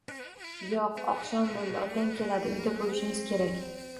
Yo'q, oqshom bo'ldi. Otang keladi, uyda bo'lishimiz kerak.